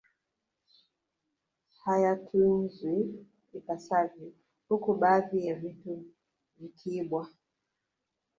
Hayatunzwi ipasavyo huku baadhi ya vitu vikiibwa